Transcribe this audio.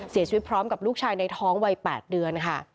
เสียชีวิตพร้อมกับลูกชายในท้องวัย๘เดือนค่ะ